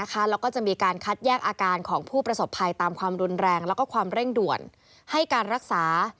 แล้วก็จะมีการคัดแยกอาการของผู้ประสบภัยตามความรุนแรงและความเร่งด่วนให้การรักษา